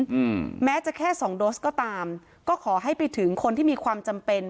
อืมแม้จะแค่สองโดสก็ตามก็ขอให้ไปถึงคนที่มีความจำเป็น